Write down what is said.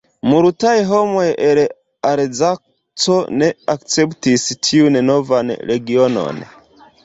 Multaj homoj el Alzaco ne akceptis tiun novan regionon.